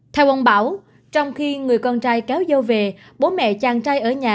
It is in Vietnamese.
theo ông bảo trong khi người con trai kéo dâu về bố mẹ chàng trai ở nhà